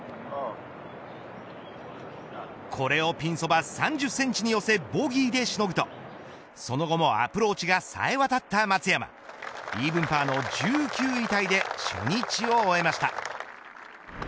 これをピンそば３０センチに寄せボギーでしのぐとその後もアプローチがさえ渡った松山イーブンパーの１９位タイで初日を終えました。